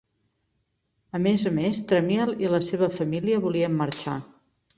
A més a m's, Tramiel i la seva família volien marxar.